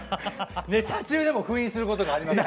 ネタ中でも封印することがあります。